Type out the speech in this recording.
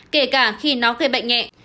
kể cả khi nó gây bệnh nhẹ